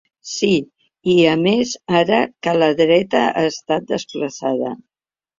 Sí, i més ara que la dreta ha estat desplaçada.